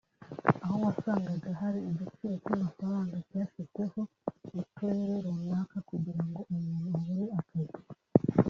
aho wasangaga hari igiciro cy’amafaranga cyashyizweho mu turere runaka kugirango umuntu abone akazi